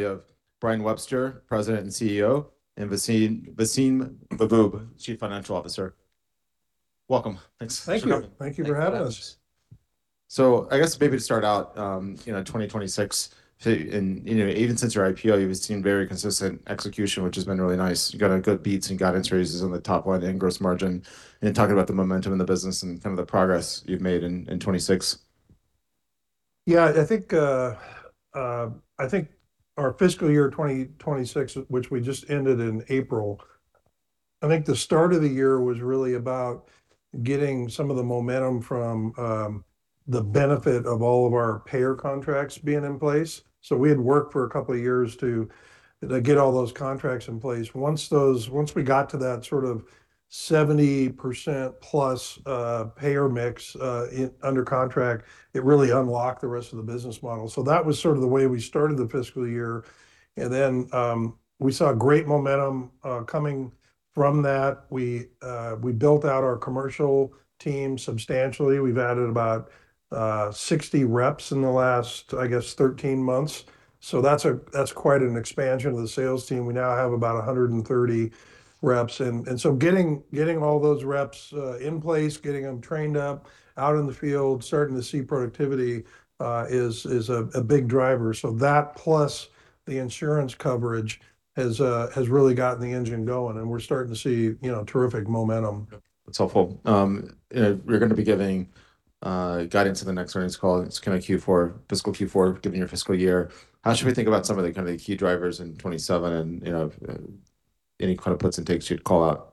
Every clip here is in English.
We have Brian Webster, President and CEO, and Vaseem Mahboob, Chief Financial Officer. Thank you. Thank you for having us Thank you. I guess maybe to start out, you know, 2026, even since your IPO, you've seen very consistent execution, which has been really nice. You got a good beats and guidance raises on the top line and gross margin, and talking about the momentum in the business and kind of the progress you've made in 2026. Yeah. I think, I think our fiscal year of 2026, which we just ended in April, I think the start of the year was really about getting some of the momentum from the benefit of all of our payer contracts being in place. We had worked for a couple of years to get all those contracts in place. Once we got to that sort of 70%+ payer mix under contract, it really unlocked the rest of the business model. That was sort of the way we started the fiscal year. Then, we saw great momentum coming from that. We built out our commercial team substantially. We've added about 60 reps in the last, I guess, 13-months, so that's quite an expansion of the sales team. We now have about 130 reps. Getting all those reps in place, getting them trained up, out in the field, starting to see productivity, is a big driver. That plus the insurance coverage has really gotten the engine going, and we're starting to see, you know, terrific momentum. That's helpful. You're gonna be giving guidance in the next earnings call. It's kinda Q4, fiscal Q4, given your fiscal year. How should we think about some of the, kind of the key drivers in 2027 and, you know, any kind of puts and takes you'd call out?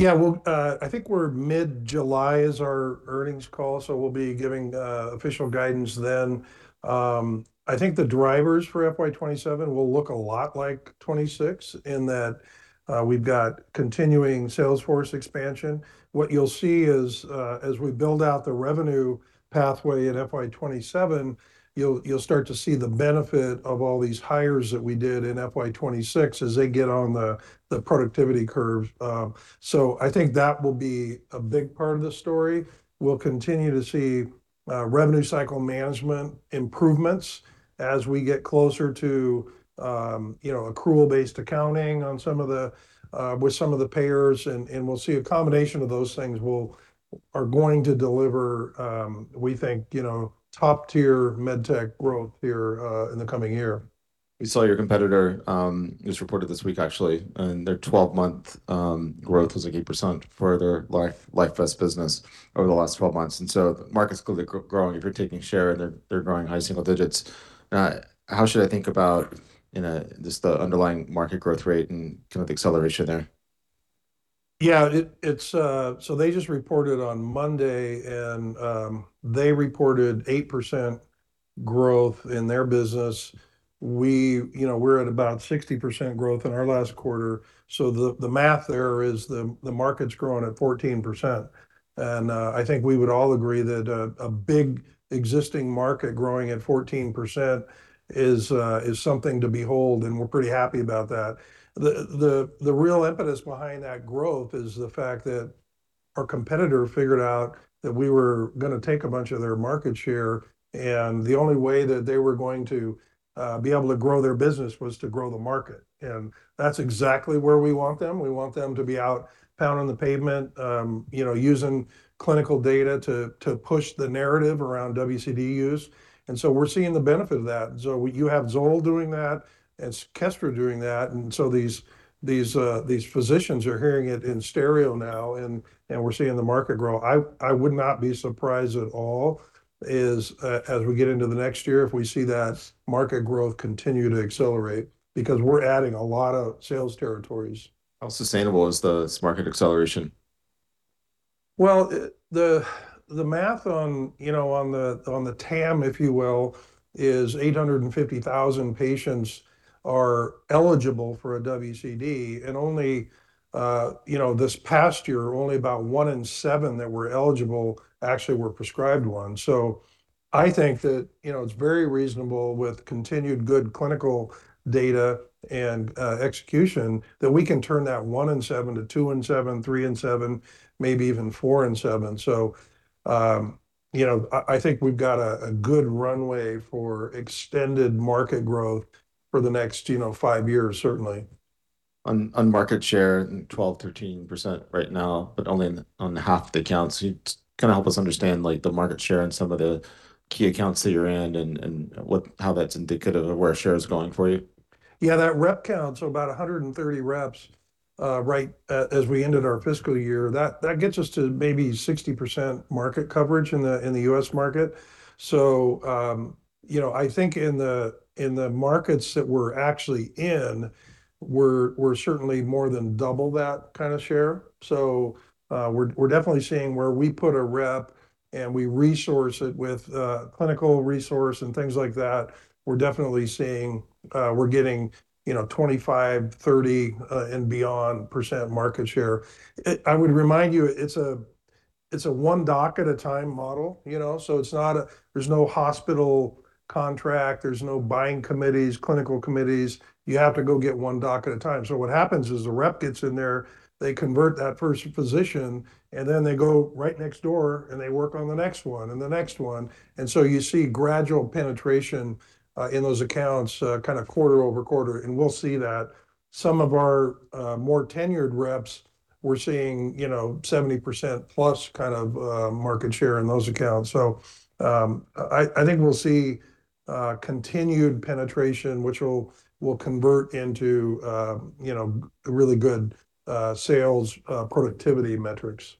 I think we're mid-July is our earnings call, so we'll be giving official guidance then. I think the drivers for FY 2027 will look a lot like 2026 in that we've got continuing sales force expansion. What you'll see is, as we build out the revenue pathway in FY 2027, you'll start to see the benefit of all these hires that we did in FY 2026 as they get on the productivity curve. I think that will be a big part of the story. We'll continue to see revenue cycle management improvements as we get closer to, you know, accrual-based accounting on some of the with some of the payers and we'll see a combination of those things are going to deliver, we think, you know, top-tier med tech growth here in the coming year. We saw your competitor just reported this week actually, their 12-month growth was like 8% for their LifeVest business over the last 12-months. The market's clearly growing if you're taking share and they're growing high single digits. How should I think about, you know, just the underlying market growth rate and kind of the acceleration there? Yeah. It, it's, they just reported on Monday, they reported 8% growth in their business. We, you know, we're at about 60% growth in our last quarter, the math there is the market's growing at 14%. I think we would all agree that a big existing market growing at 14% is something to behold, and we're pretty happy about that. The real impetus behind that growth is the fact that our competitor figured out that we were gonna take a bunch of their market share, the only way that they were going to be able to grow their business was to grow the market, and that's exactly where we want them. We want them to be out pounding the pavement, you know, using clinical data to push the narrative around WCD use. We're seeing the benefit of that. You have ZOLL doing that, and Kestra doing that, these physicians are hearing it in stereo now, we're seeing the market grow. I would not be surprised at all is, as we get into the next year, if we see that market growth continue to accelerate because we're adding a lot of sales territories. How sustainable is this market acceleration? Well, the math on the TAM, if you will, is 850,000 patients are eligible for a WCD and only this past year, only about one in seven that were eligible actually were prescribed one. I think that it's very reasonable with continued good clinical data and execution that we can turn that one in seven to two in seven, three in seven, maybe even four in seven. I think we've got a good runway for extended market growth for the next five-years certainly. On market share, 12%, 13% right now, only on half the accounts. Can you kind of help us understand, like, the market share and some of the key accounts that you're in and what, how that's indicative of where share is going for you? Yeah. That rep count, about 130 reps as we ended our fiscal year, that gets us to maybe 60% market coverage in the U.S. market. You know, I think in the markets that we're actually in, we're certainly more than double that kind of share. We're definitely seeing where we put a rep and we resource it with clinical resource and things like that, we're definitely seeing, we're getting, you know, 25%, 30%, and beyond percent market share. I would remind you; it's a one doc at a time model, you know. There's no hospital contract, there's no buying committees, clinical committees. You have to go get one doc at a time. What happens is the rep gets in there, they convert that first physician, and then they go right next door, and they work on the next one and the next one. You see gradual penetration in those accounts kind of quarter over quarter. We'll see that some of our more tenured reps we're seeing, you know, 70%+ kind of market share in those accounts. I think we'll see continued penetration which will convert into, you know, a really good sales productivity metrics.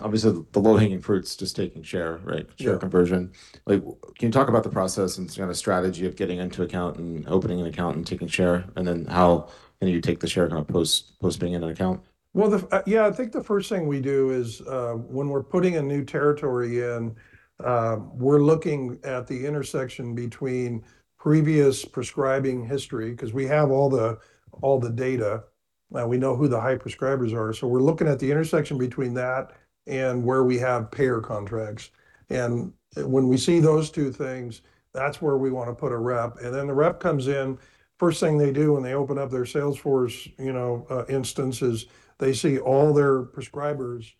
Obviously the low-hanging fruit's just taking share, right? Yeah. Share conversion. Can you talk about the process and sort of strategy of getting into account and opening an account and taking share, and then how then you take the share kind of post being in an account? I think the first thing we do is when we're putting a new territory in, we're looking at the intersection between previous prescribing history, because we have all the data and we know who the high prescribers are. We're looking at the intersection between that and where we have payer contracts, when we see those two things, that's where we want to put a rep. The rep comes in, first thing they do when they open up their sales force, you know, instance is they see all their prescribers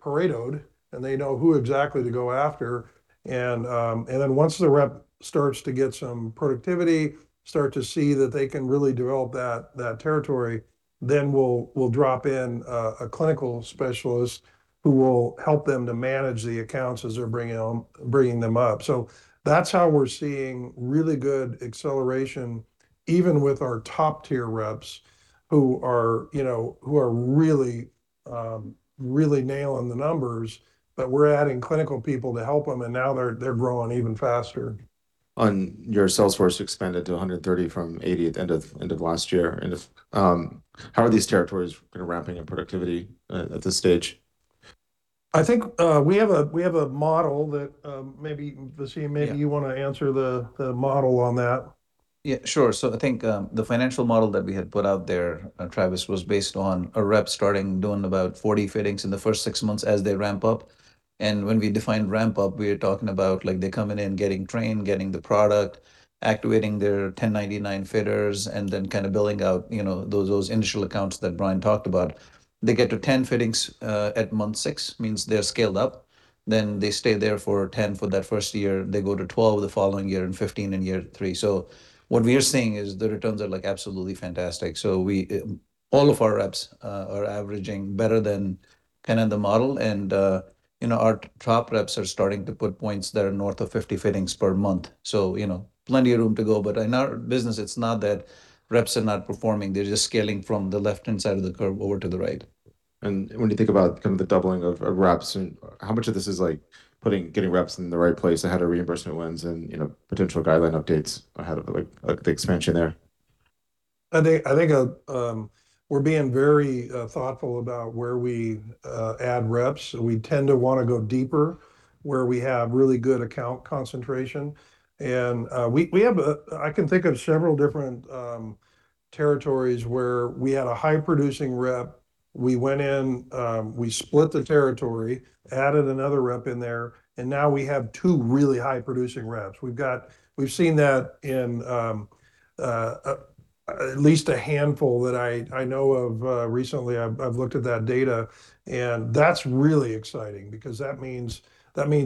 paraded and they know who exactly to go after. Once the rep starts to get some productivity, start to see that they can really develop that territory, we'll drop in a clinical specialist who will help them to manage the accounts as they're bringing them up. That's how we're seeing really good acceleration even with our top tier reps who are, you know, who are really nailing the numbers. We're adding clinical people to help them and now they're growing even faster. On your sales force expanded to 130 from 80 at the end of last year. If, how are these territories, you know, ramping in productivity at this stage? I think we have a model that. Yeah maybe you want to answer the model on that. Yeah, sure. I think the financial model that we had put out there, Travis, was based on a rep starting doing about 40 fittings in the first six-months as they ramp up. When we define ramp up, we are talking about like they're coming in, getting trained, getting the product, activating their 1099 fitters, and then kind of building out, you know, those initial accounts that Brian talked about. They get to 10 fittings at month six, means they're scaled up, then they stay there for 10 for that first year, they go to 12 the following year, and 15 in year three. What we are seeing is the returns are, like, absolutely fantastic. We all of our reps are averaging better than kind of the model. You know, our top reps are starting to put points that are north of 50 fittings per month, so, you know, plenty of room to go. In our business it's not that reps are not performing, they're just scaling from the left-hand side of the curve over to the right. When you think about kind of the doubling of reps and how much of this is like getting reps in the right place, ahead of reimbursement wins and, you know, potential guideline updates ahead of the expansion there? I think we're being very thoughtful about where we add reps. We tend to want to go deeper where we have really good account concentration. We have a, I can think of several different territories where we had a high producing rep. We went in, we split the territory, added another rep in there, and now we have two really high producing reps. We've seen that in at least a handful that I know of recently. I've looked at that data and that's really exciting because that means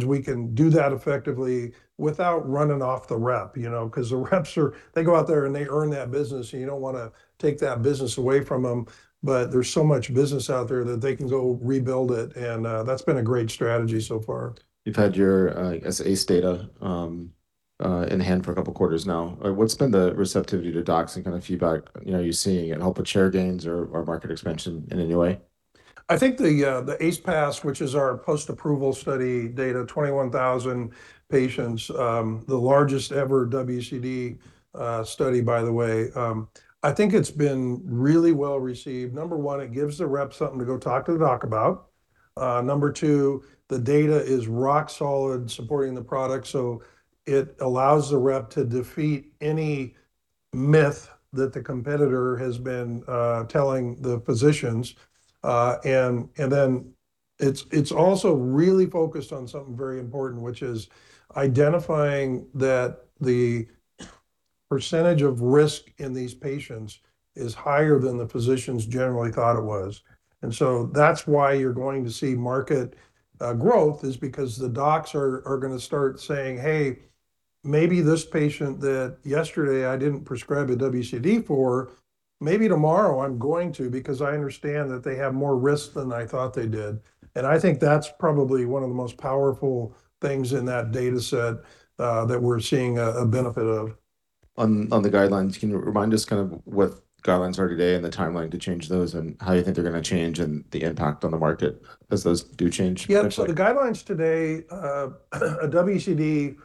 we can do that effectively without running off the rep, you know. 'Cause the reps are, they go out there and they earn that business, and you don't wanna take that business away from them. There's so much business out there that they can go rebuild it and, that's been a great strategy so far. You've had your, I guess, ACE data in hand for a couple of quarters now. What's been the receptivity to docs and kind of feedback, you know, are you seeing it help with share gains or market expansion in any way? I think the ACE-PAS, which is our post-approval study data, 21,000 patients, the largest ever WCD study by the way, I think it's been really well received. Number one, it gives the rep something to go talk to the doc about. Number two, the data is rock solid supporting the product, so it allows the rep to defeat any myth that the competitor has been telling the physicians. Then it's also really focused on something very important, which is identifying that the percentage of risk in these patients is higher than the physicians generally thought it was. That's why you're going to see market growth, is because the docs are gonna start saying, "Hey, maybe this patient that yesterday I didn't prescribe a WCD for, maybe tomorrow I'm going to because I understand that they have more risk than I thought they did." I think that's probably one of the most powerful things in that data set that we're seeing a benefit of. On the guidelines, can you remind us kind of what the guidelines are today and the timeline to change those, and how you think they're gonna change and the impact on the market as those do change eventually? Yeah. The guidelines today, a WCD,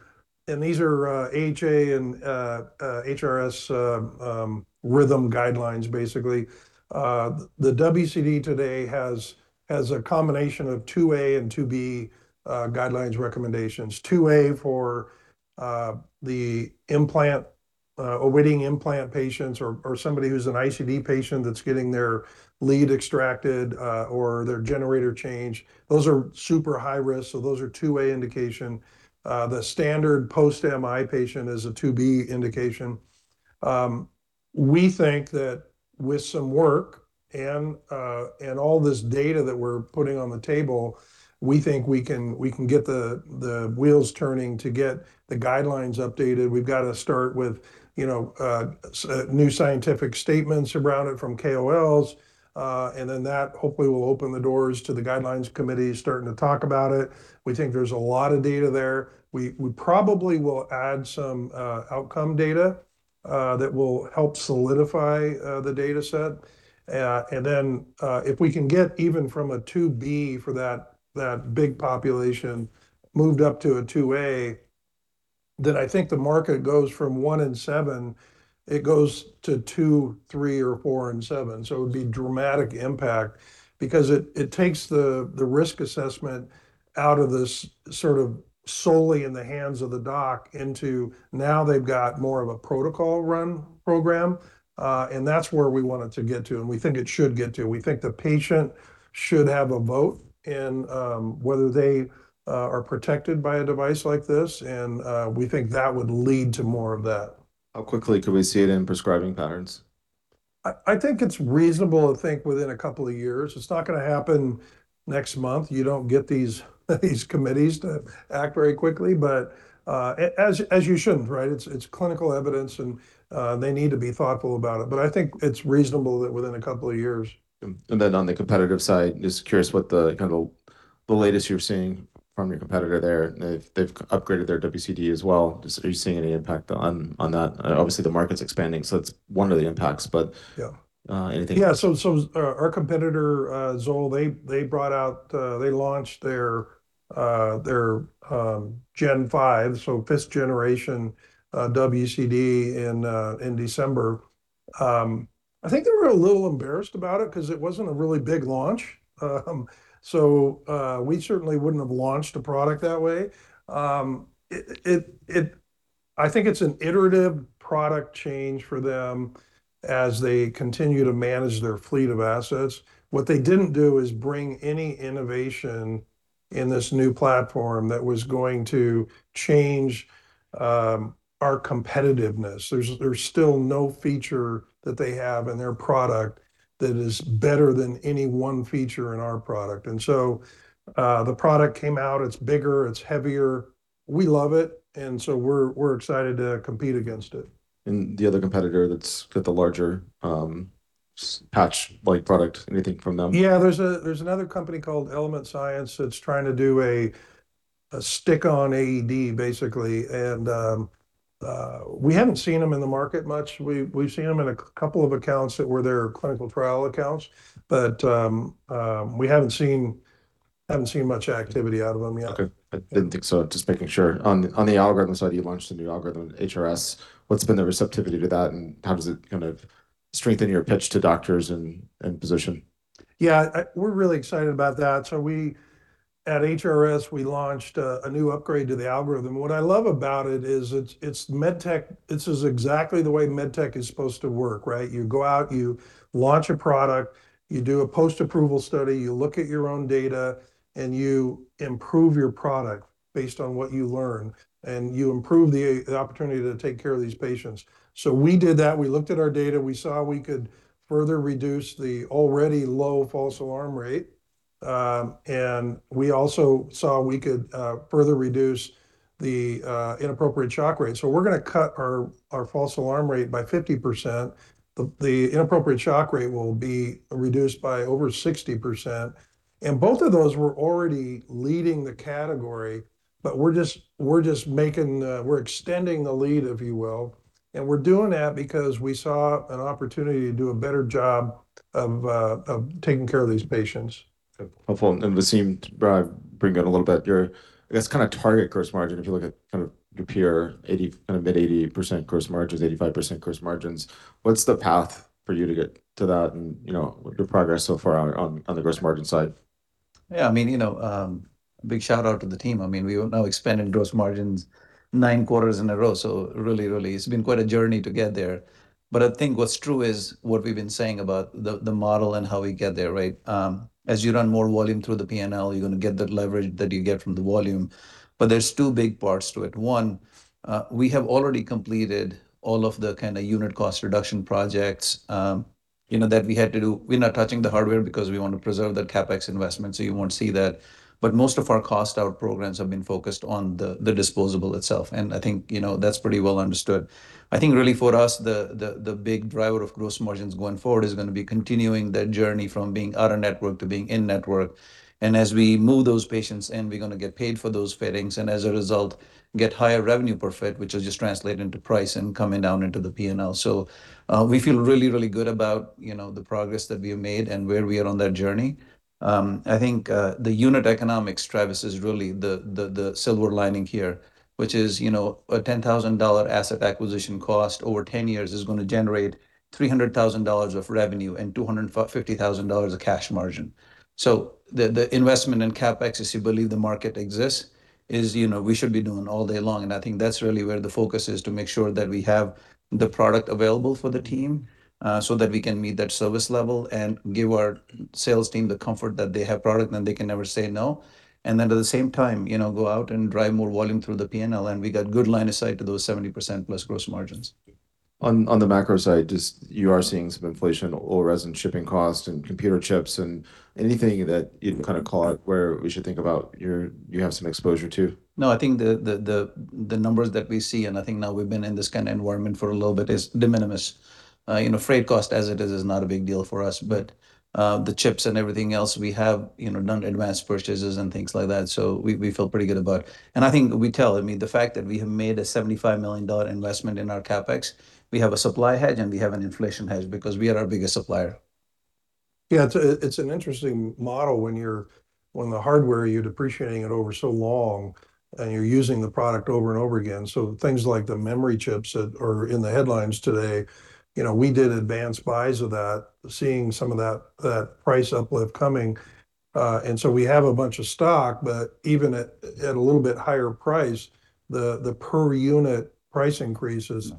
and these are AHA and HRS rhythm guidelines, basically. The WCD today has a combination of 2A and 2B guidelines recommendations. 2A for awaiting implant patients or somebody who's an ICD patient that's getting their lead extracted or their generator changed, those are super high risk, so those are 2A indication. The standard post-MI patient is a 2B indication. We think that with some work and all this data that we're putting on the table, we think we can get the wheels turning to get the guidelines updated. We've got to start with, you know, new scientific statements around it from KOLs. That hopefully will open the doors to the guidelines committee starting to talk about it. We think there's a lot of data there. We probably will add some outcome data that will help solidify the data set. If we can get even from a 2B for that big population moved up to a 2A, then I think the market goes from one in seven, it goes to two, three or four in seven. It would be dramatic impact because it takes the risk assessment out of this sort of solely in the hands of the doc into now, they've got more of a protocol run program. That's where we want it to get to, and we think it should get to. We think the patient should have a vote in, whether they are protected by a device like this, and we think that would lead to more of that. How quickly could we see it in prescribing patterns? I think it's reasonable to think within a couple of years. It's not gonna happen next month. You don't get these committees to act very quickly. As you shouldn't, right? It's clinical evidence. They need to be thoughtful about it. I think it's reasonable that within a couple of years. Then on the competitive side, just curious what the kind of the latest you're seeing from your competitor there. They've upgraded their WCD as well. Just are you seeing any impact on that? Obviously, the market's expanding, so it's one of the impacts. Yeah. Uh, anything- Yeah. Our competitor, ZOLL, they brought out, they launched their Gen 5, fifth generation WCD in December. I think they were a little embarrassed about it because it wasn't a really big launch. We certainly wouldn't have launched a product that way. I think it's an iterative product change for them as they continue to manage their fleet of assets. What they didn't do is bring any innovation in this new platform that was going to change our competitiveness. There's still no feature that they have in their product that is better than any one feature in our product. The product came out, it's bigger, it's heavier. We love it, we're excited to compete against it. The other competitor that's got the larger, patch-like product, anything from them? Yeah. There's another company called Element Science that's trying to do a stick-on AED, basically. We haven't seen them in the market much. We've seen them in a couple of accounts that were their clinical trial accounts. We haven't seen much activity out of them yet. Okay. I didn't think so. Just making sure. On the algorithm side, you launched a new algorithm, HRS. What's been the receptivity to that, and how does it kind of strengthen your pitch to doctors and position? We're really excited about that. We, at HRS, we launched a new upgrade to the algorithm. What I love about it is it's med tech. This is exactly the way med tech is supposed to work, right? You go out, you launch a product, you do a post-approval study, you look at your own data, and you improve your product based on what you learn, and you improve the opportunity to take care of these patients. We did that. We looked at our data. We saw we could further reduce the already low false alarm rate. We also saw we could further reduce the inappropriate shock rate. We're gonna cut our false alarm rate by 50%. The inappropriate shock rate will be reduced by over 60%. Both of those were already leading the category, we're just making, we're extending the lead, if you will. We're doing that because we saw an opportunity to do a better job of taking care of these patients. Okay. Helpful. Vaseem, bring out a little bit your, I guess kind of target gross margin, if you look at kind of your peer, kind of mid-80% gross margins, 85% gross margins. What's the path for you to get to that and, you know, the progress so far on the gross margin side? Yeah, I mean, you know, big shout out to the team. I mean, we are now expanding gross margins nine quarters in a row. Really, it's been quite a journey to get there. I think what's true is what we've been saying about the model and how we get there, right? As you run more volume through the P&L, you're gonna get the leverage that you get from the volume. There's two big parts to it. One, we have already completed all of the kinda unit cost reduction projects, you know, that we had to do. We're not touching the hardware because we want to preserve that CapEx investment, you won't see that. Most of our cost out programs have been focused on the disposable itself, and I think, you know, that's pretty well understood. I think really for us, the big driver of gross margins going forward is gonna be continuing that journey from being out of network to being in network. As we move those patients in, we're gonna get paid for those fittings, and as a result, get higher revenue per fit, which will just translate into price and coming down into the P&L. We feel really, really good about, you know, the progress that we have made and where we are on that journey. I think the unit economics, Travis, is really the silver lining here, which is, you know, a $10,000 asset acquisition cost over 10-years is gonna generate $300,000 of revenue and $250,000 of cash margin. The investment in CapEx, as you believe the market exists, is, you know, we should be doing all day long. I think that's really where the focus is to make sure that we have the product available for the team, so that we can meet that service level and give our sales team the comfort that they have product and they can never say no. At the same time, you know, go out and drive more volume through the P&L, and we got good line of sight to those 70%+ gross margins. On the macro side, just you are seeing some inflation, oil, resin, shipping costs, and computer chips, and anything that you'd kind of call out where we should think about you have some exposure to? No, I think the numbers that we see, and I think now we've been in this kind of environment for a little bit, is de minimis. You know, freight cost as it is is not a big deal for us. The chips and everything else, we have, you know, done advanced purchases and things like that. We feel pretty good about. I think we tell, I mean, the fact that we have made a $75 million investment in our CapEx, we have a supply hedge, and we have an inflation hedge because we are our biggest supplier. Yeah. It's an interesting model when you're when the hardware, you're depreciating it over so long, and you're using the product over and over again. Things like the memory chips that are in the headlines today, you know, we did advanced buys of that, seeing some of that price uplift coming. We have a bunch of stock, but even at a little bit higher price, the per unit price increase is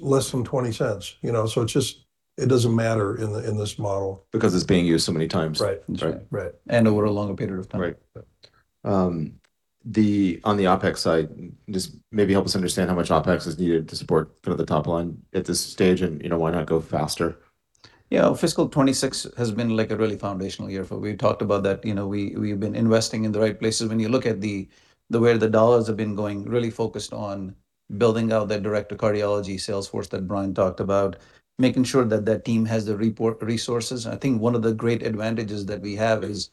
less than $0.20. You know, it's just, it doesn't matter in this model. It's being used so many times. Right. That's right. Right. Over a longer period of time. Right. On the OpEx side, just maybe help us understand how much OpEx is needed to support kind of the top line at this stage and, you know, why not go faster? Yeah. Fiscal 2026 has been, like, a really foundational year for. We talked about that. You know, we've been investing in the right places. When you look at the way the dollars have been going, really focused on building out that direct-to-cardiology sales force that Brian talked about, making sure that that team has the resources. I think one of the great advantages that we have is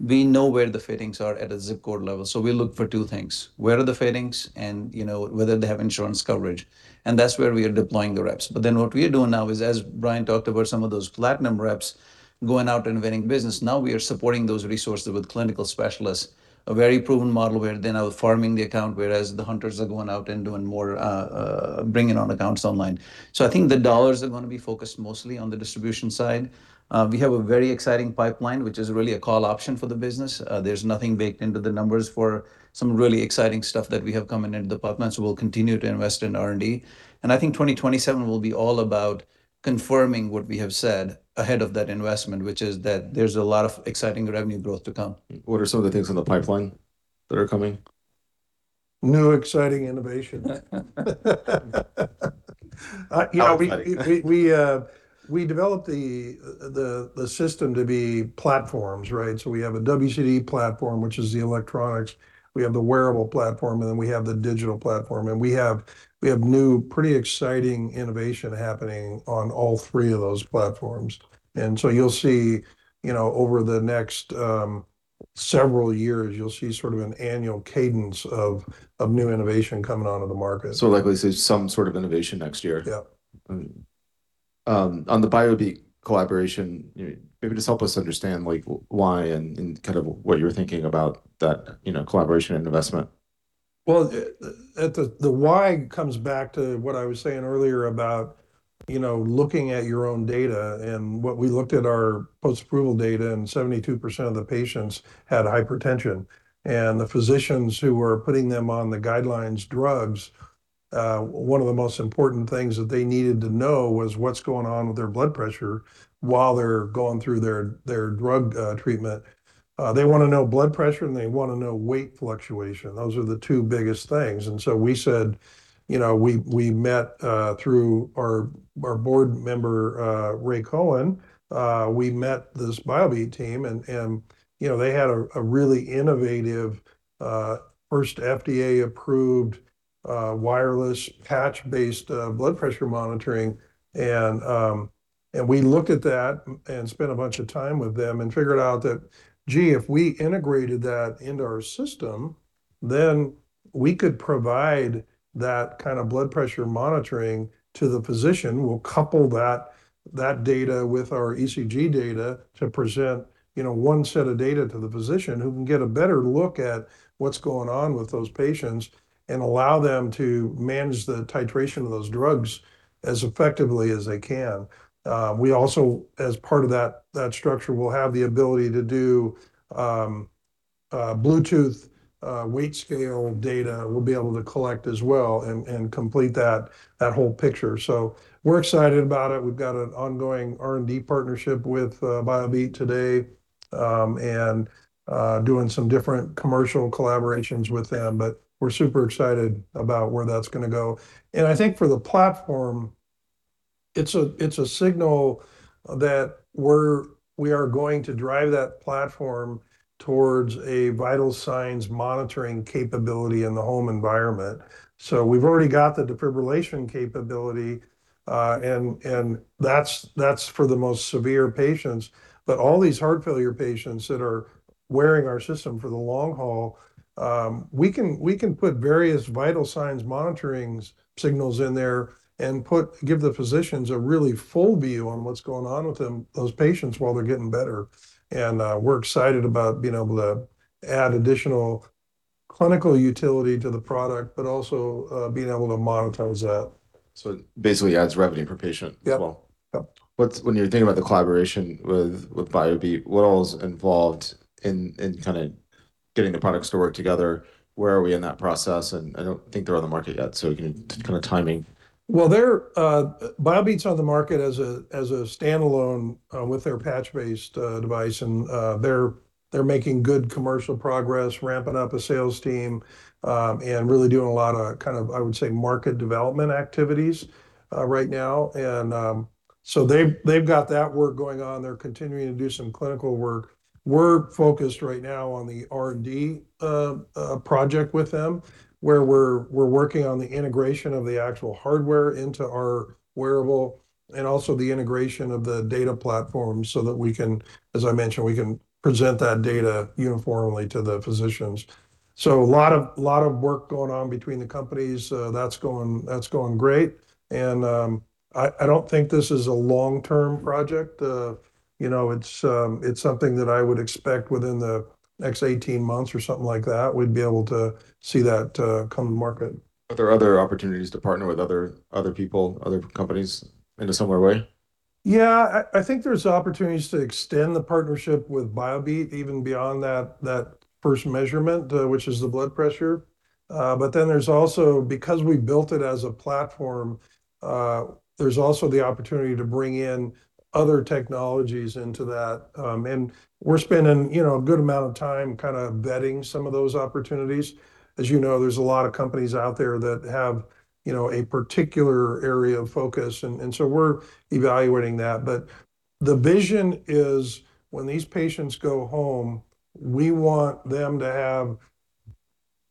we know where the fittings are at a ZIP code level. We look for two things: where are the fittings and, you know, whether they have insurance coverage, and that's where we are deploying the reps. What we are doing now is, as Brian talked about some of those platinum reps going out and winning business, now we are supporting those resources with clinical specialists, a very proven model where they're now farming the account, whereas the hunters are going out and doing more bringing on accounts online. I think the dollars are going to be focused mostly on the distribution side. We have a very exciting pipeline, which is really a call option for the business. There's nothing baked into the numbers for some really exciting stuff that we have coming in the pipeline, so we'll continue to invest in R&D. I think 2027 will be all about confirming what we have said ahead of that investment, which is that there's a lot of exciting revenue growth to come. What are some of the things in the pipeline that are coming? New exciting innovations. We developed the system to be platforms, right? We have a WCD platform, which is the electronics. We have the wearable platform; we have the digital platform. We have new pretty exciting innovation happening on all three of those platforms. You'll see, you know, over the next several years, you'll see sort of an annual cadence of new innovation coming onto the market. Likely see some sort of innovation next year. Yep. On the Biobeat collaboration, you know, maybe just help us understand, like, why and kind of what you were thinking about that, you know, collaboration and investment? Well, the why comes back to what I was saying earlier about, you know, looking at your own data. What we looked at our post-approval data, and 72% of the patients had hypertension, and the physicians who were putting them on the guideline's drugs, one of the most important things that they needed to know was what's going on with their blood pressure while they're going through their drug treatment. They wanna know blood pressure, they wanna know weight fluctuation. Those are the two biggest things. We said, you know, we met through our board member, Ray Cohen. We met this Biobeat team and, you know, they had a really innovative, first FDA-approved, wireless patch-based, blood pressure monitoring. We looked at that and spent a bunch of time with them and figured out that, gee, if we integrated that into our system, then we could provide that kind of blood pressure monitoring to the physician. We'll couple that data with our ECG data to present, you know, one set of data to the physician who can get a better look at what's going on with those patients and allow them to manage the titration of those drugs as effectively as they can. We also, as part of that structure, will have the ability to do Bluetooth weight scale data we'll be able to collect as well and complete that whole picture. We're excited about it. We've got an ongoing R&D partnership with Biobeat today, and doing some different commercial collaborations with them, but we're super excited about where that's going to go. I think for the platform, it's a signal that we are going to drive that platform towards a vital signs monitoring capability in the home environment. We've already got the defibrillation capability, and that's for the most severe patients. All these heart failure patients that are wearing our system for the long haul, we can put various vital signs monitoring signals in there and give the physicians a really full view on what's going on with them, those patients while they're getting better. We're excited about being able to add additional clinical utility to the product, but also being able to monetize that. It basically adds revenue per patient as well. Yep. Yep. When you're thinking about the collaboration with Biobeat, what all is involved in kind of getting the products to work together? Where are we in that process? I don't think they're on the market yet, can you kind of timing? Well, they're Biobeat's on the market as a, as a standalone with their patch-based device, and they're making good commercial progress, ramping up a sales team, and really doing a lot of kind of, I would say, market development activities right now. They, they've got that work going on. They're continuing to do some clinical work. We're focused right now on the R&D project with them, where we're working on the integration of the actual hardware into our wearable, and also the integration of the data platform so that we can, as I mentioned, we can present that data uniformly to the physicians. A lot of, lot of work going on between the companies. That's going great. I don't think this is a long-term project. You know, it's something that I would expect within the next 18-months or something like that, we'd be able to see that, come to market. Are there other opportunities to partner with other people, other companies in a similar way? Yeah. I think there's opportunities to extend the partnership with Biobeat even beyond that first measurement, which is the blood pressure. There's also, because we built it as a platform, there's also the opportunity to bring in other technologies into that. We're spending, you know, a good amount of time kind of vetting some of those opportunities. As you know, there's a lot of companies out there that have, you know, a particular area of focus, we're evaluating that. The vision is when these patients go home, we want them to have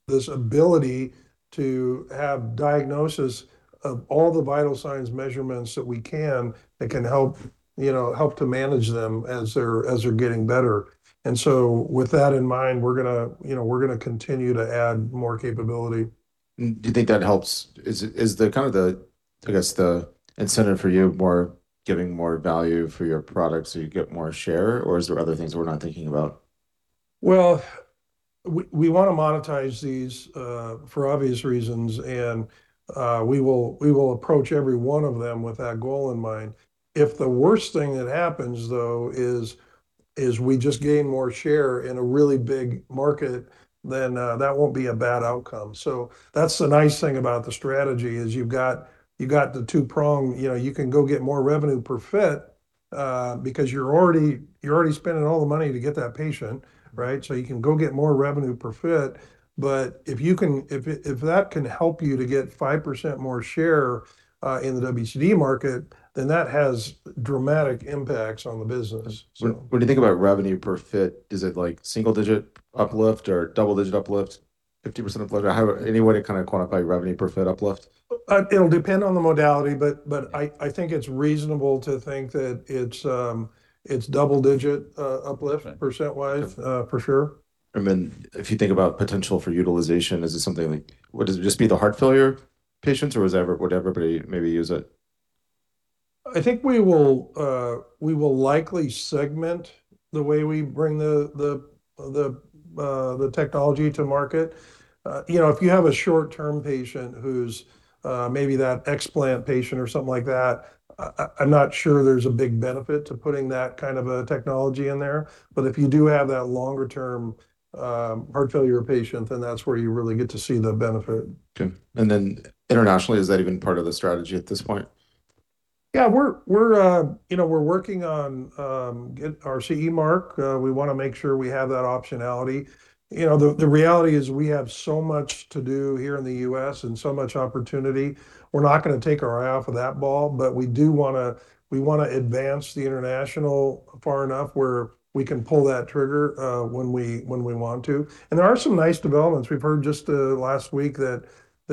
this ability to have diagnosis of all the vital signs measurements that we can that can help, you know, help to manage them as they're getting better. With that in mind, we're gonna, you know, we're gonna continue to add more capability. Do you think that helps? Is the kind of the, I guess, the incentive for you more giving more value for your product so you get more share, or is there other things that we're not thinking about? Well, we wanna monetize these for obvious reasons, we will approach every one of them with that goal in mind. If the worst thing that happens though is we just gain more share in a really big market, that won't be a bad outcome. That's the nice thing about the strategy, is you've got the two prong. You know, you can go get more revenue per fit because you're already spending all the money to get that patient. Right? You can go get more revenue per fit. If that can help you to get 5% more share in the WCD market, that has dramatic impacts on the business. When you think about revenue per fit, is it, like, single-digit uplift or double-digit uplift, 50% uplift? Any way to kind of quantify revenue per fit uplift? It'll depend on the modality, but I think it's reasonable to think that it's double-digit uplift... Okay. - percent-wise, for sure. If you think about potential for utilization, is this something like Would it just be the heart failure patients or would everybody maybe use it? I think we will, we will likely segment the way we bring the, the technology to market. You know, if you have a short term patient who's, maybe that explant patient or something like that, I'm not sure there's a big benefit to putting that kind of a technology in there. If you do have that longer term, heart failure patient, then that's where you really get to see the benefit. Okay. Internationally, is that even part of the strategy at this point? Yeah, we're, you know, we're working on get our CE mark. We wanna make sure we have that optionality. You know, the reality is we have so much to do here in the U.S. and so much opportunity. We're not gonna take our eye off of that ball, but we do wanna advance the international far enough where we can pull that trigger when we want to. There are some nice developments. We've heard just last week that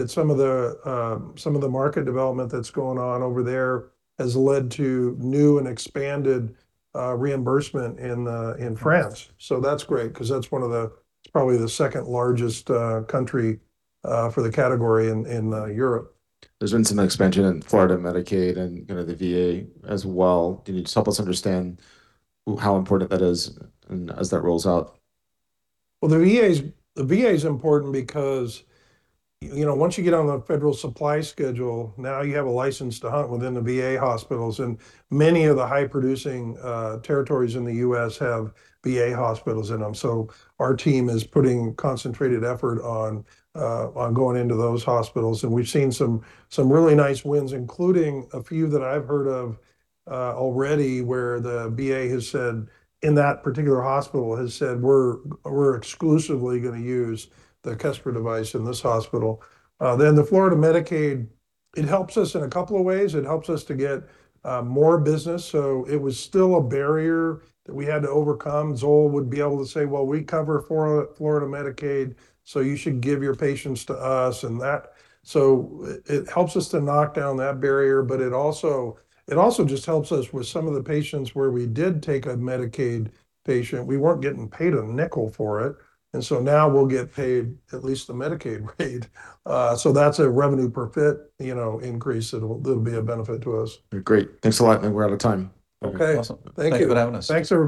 some of the market development that's going on over there has led to new and expanded reimbursement in France. That's great, 'cause that's one of the. It's probably the second-largest country for the category in Europe. There's been some expansion in Florida Medicaid and, you know, the VA as well. Can you just help us understand how important that is and as that rolls out? Well, the VA's important because you know, once you get on the Federal Supply Schedule, now you have a license to hunt within the VA hospitals. Many of the high producing territories in the U.S. have VA hospitals in them, so our team is putting concentrated effort on going into those hospitals. We've seen some really nice wins, including a few that I've heard of already where the VA has said, in that particular hospital, has said, "We're exclusively gonna use the Kestra device in this hospital." The Florida Medicaid, it helps us in a couple of ways. It helps us to get more business, so it was still a barrier that we had to overcome. ZOLL would be able to say, "Well, we cover Florida Medicaid, you should give your patients to us," and that. It helps us to knock down that barrier, but it also just helps us with some of the patients where we did take a Medicaid patient, we weren't getting paid nickel for it. Now we'll get paid at least the Medicaid rate. That's a revenue per fit, you know, increase that'll be a benefit to us. Great. Thanks a lot, man. We're out of time. Okay. Awesome. Thank you. Thank you for having us. Thanks everybody.